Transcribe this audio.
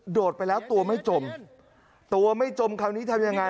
ดไปแล้วตัวไม่จมตัวไม่จมคราวนี้ทำยังไง